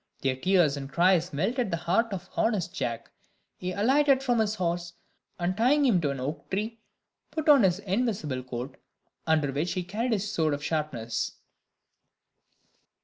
Their tears and cries melted the heart of honest Jack; he alighted from his horse, and tying him to an oak tree, put on his invisible coat, under which he carried his sword of sharpness.